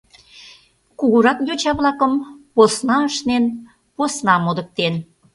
Кугурак йоча-влакым посна ашнен, посна модыктен.